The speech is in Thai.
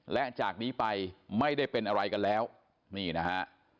และจากนี้ไปไม่ได้เป็นอะไรกันแล้วนี่นะฮะ